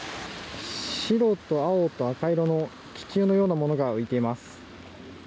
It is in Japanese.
白と青と赤色の気球のようなものが浮いています。